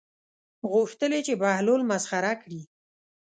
غوښتل یې چې بهلول مسخره کړي.